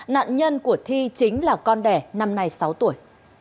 nạn nhân của thi chính là con đẻ năm nay sáu tuổi